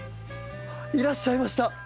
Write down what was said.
いらっしゃいました。